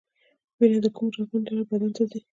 وینه د کومو رګونو له لارې بدن ته ځي